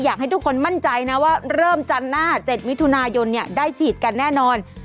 อยากให้ทุกคนมั่นใจนะว่าเริ่มจันทร์หน้า๗มิถุนายนได้ฉีดกันแน่นอน